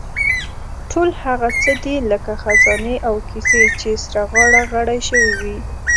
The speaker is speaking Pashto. ټول هغه څه دي لکه خزانې او کیسې چې سره غاړه غړۍ شوې وي.